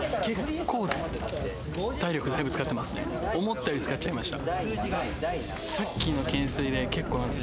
思ったより使っちゃいました。